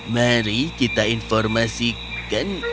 mari kita informasikan